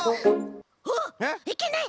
はっいけない！